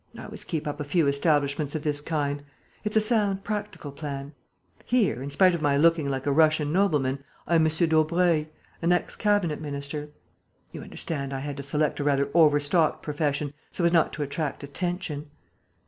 I always keep up a few establishments of this kind: it's a sound, practical plan. Here, in spite of my looking like a Russian nobleman, I am M. Daubreuil, an ex cabinet minister.... You understand, I had to select a rather overstocked profession, so as not to attract attention...."